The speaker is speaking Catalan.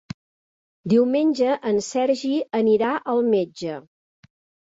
Diumenge en Sergi anirà al metge.